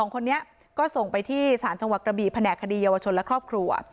๒คนนี้ก็ส่งไปที่ศาลจังหวัดกระบีแผนกคดีเยาวชนและครอบครัว